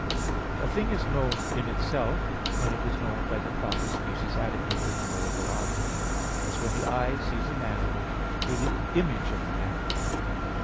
A thing is known in itself when it is known by the proper species adequate to the knowable object; as when the eye sees a man through the image of a man.